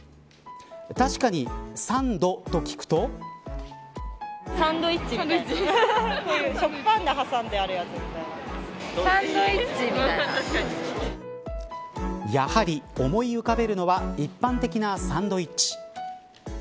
確かに、サンドと聞くとやはり思い浮かべるのは一般的なサンドイッチ。